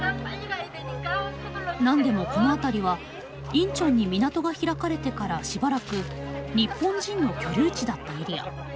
何でもこの辺りはインチョンに港が開かれてからしばらく日本人の居留地だったエリア。